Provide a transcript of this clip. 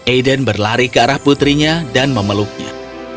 aiden berlari ke arah putrinya dan memeluknya